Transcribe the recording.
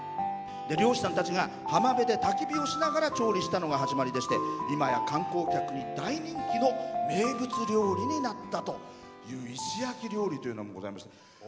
漁師さんたちが浜辺でたき火をしながら調理したのが始まりでしていまや観光客に大人気の名物料理になったという石焼き料理というのがありまして。